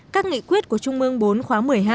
các nghị quyết của trung ương bốn khóa một mươi hai